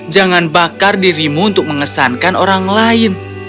jangan bakar dirimu untuk mengesankan orang lain